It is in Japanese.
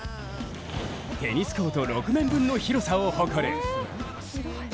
テニスコート６面分の広さを誇る。